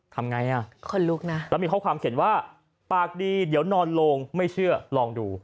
ทำไงอ่ะคนลุกนะแล้วมีข้อความเขียนว่าปากดีเดี๋ยวนอนโลงไม่เชื่อลองดู